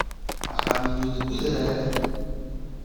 Axxam-inu deg udrar.